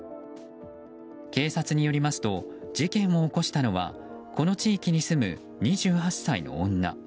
警察によりますと事件を起こしたのはこの地域に住む２８歳の女。